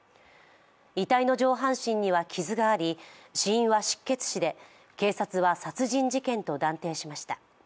遺体の上半身には傷があり死因は失血死で警察は殺人事件と断定しました。